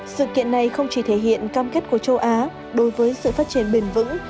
sự kiện này không chỉ thể hiện cam kết của châu á đối với sự phát triển bền vững